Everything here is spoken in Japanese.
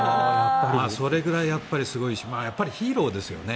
それぐらいすごいしやっぱりヒーローですよね。